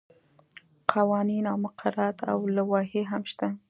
قوانین او مقررات او لوایح هم شته.